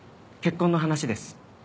結婚の話です。